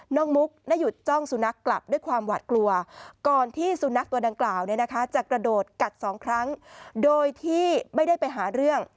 มุกได้หยุดจ้องสุนัขกลับด้วยความหวาดกลัวก่อนที่สุนัขตัวดังกล่าวจะกระโดดกัดสองครั้งโดยที่ไม่ได้ไปหาเรื่อง